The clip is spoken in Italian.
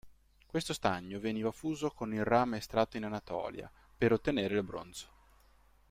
Questo stagno veniva fuso con il rame estratto in Anatolia per ottenere il bronzo.